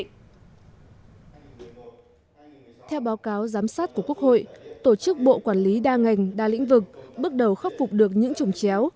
theo báo cáo giám sát của quốc hội tổ chức bộ quản lý đa ngành đa lĩnh vực bước đầu khắc phục được những chủng chéo